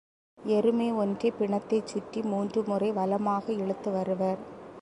எருமை ஒன்றைப் பிணத்தைச்சுற்றி மூன்று முறை வலமாக இழுத்துவருவர்.